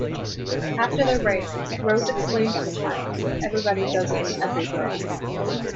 After the rape, Rose explained to the child: Everybody does it to every girl.